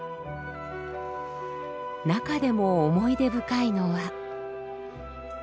中でも思い出深いのは。